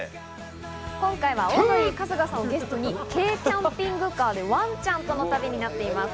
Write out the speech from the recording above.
今回はオードリー・春日さんをゲストに軽キャンピングカーでワンちゃんとの旅となっています。